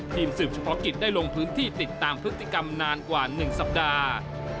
ทีมสืบเฉพาะกิจได้ลงพื้นที่ติดตามพฤติกรรมนานกว่า๑สัปดาห์